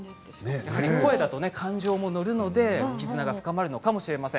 声だと感情も乗るので絆が深まるのかもしれません。